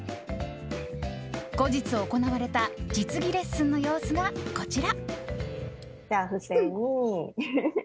後日行われた実技レッスンの様子が、こちら。